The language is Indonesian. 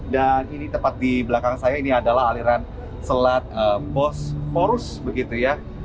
ini tepat di belakang saya ini adalah aliran selat bosporus begitu ya